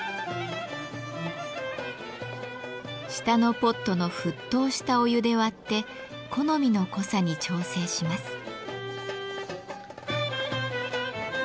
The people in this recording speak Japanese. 下のポットの沸騰したお湯で割って好みの濃さに調整します。